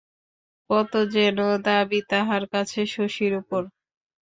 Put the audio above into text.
কত যেন দাবি তাহার কাছে শশীর উপর।